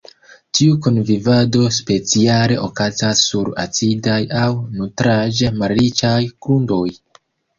Tiu kunvivado speciale okazas sur acidaj aŭ nutraĵ-malriĉaj grundoj.